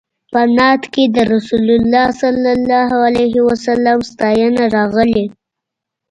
په نعت کې د رسول الله صلی الله علیه وسلم ستاینه راغلې.